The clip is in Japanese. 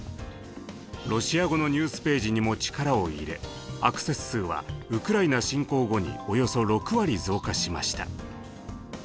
ロシア語のニュースページにも力を入れアクセス数はウクライナ侵攻後におよそ６割増加しました。